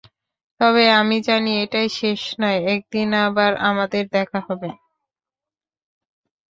তবে আমি জানি, এটাই শেষ নয়, একদিন আবার আমাদের দেখা হবে।